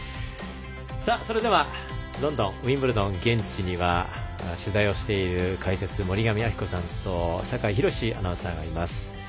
それでは、ロンドンウィンブルドン、現地には取材をしている解説・森上亜希子さんと酒井博司アナウンサーがいます。